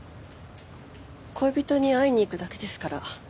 恋人に会いに行くだけですから。